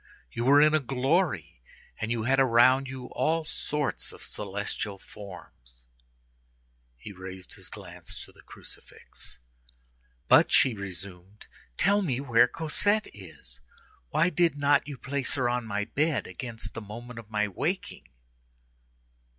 You were in a glory, and you had around you all sorts of celestial forms." He raised his glance to the crucifix. "But," she resumed, "tell me where Cosette is. Why did not you place her on my bed against the moment of my waking?"